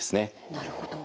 なるほど。